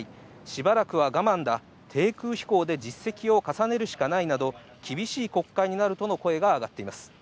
しばらくは我慢だ、低空飛行で実績を重ねるしかないなど厳しい国会になるとの声が上がっています。